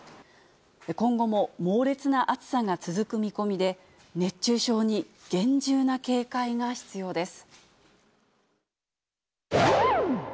今後も猛烈な暑さが続く見込みで、熱中症に厳重な警戒が必要です。